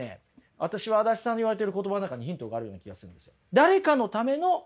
私は足立さんの言われてる言葉の中にヒントがあるような気がするんですよ。